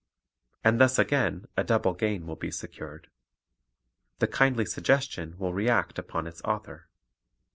And thus again a double gain will be secured. The kindly suggestion will react upon its author.